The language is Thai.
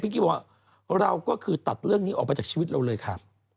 กี้บอกว่าเราก็คือตัดเรื่องนี้ออกไปจากชีวิตเราเลยค่ะ